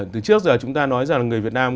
từ trước giờ chúng ta nói rằng là người việt nam